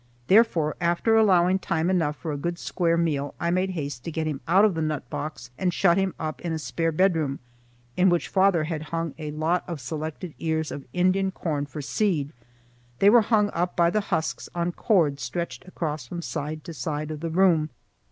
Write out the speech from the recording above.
Therefore, after allowing time enough for a good square meal, I made haste to get him out of the nut box and shut him up in a spare bedroom, in which father had hung a lot of selected ears of Indian corn for seed. They were hung up by the husks on cords stretched across from side to side of the room.